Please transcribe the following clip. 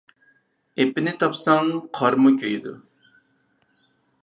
ئېپىنى تاپساڭ قارمۇ كۆيىدۇ.